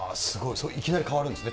それ、いきなり変わるんですね？